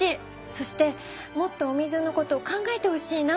そしてもっとお水のこと考えてほしいな。